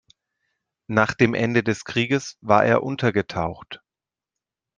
Nach dem Ende des Krieges war er untergetaucht.